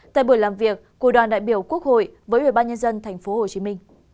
tại buổi làm việc của đoàn đại biểu quốc hội với ủy ban nhân dân tp hcm